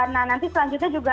nah nanti selanjutnya